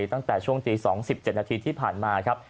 ตั้งแต่ช่วงตี๒๗นาทีที่ผ่านมาครับ